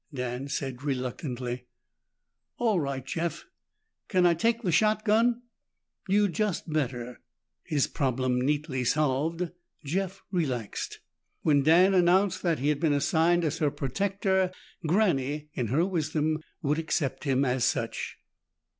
Dan said reluctantly, "All right, Jeff. Can I take the shotgun?" "You'd just better." His problem neatly solved, Jeff relaxed. When Dan announced that he had been assigned as her protector, Granny, in her wisdom, would accept him as such.